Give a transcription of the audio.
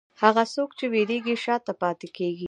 هغه څوک چې وېرېږي، شا ته پاتې کېږي.